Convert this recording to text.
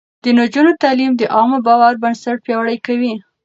د نجونو تعليم د عامه باور بنسټ پياوړی کوي.